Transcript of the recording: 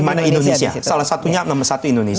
di mana indonesia salah satunya nomor satu indonesia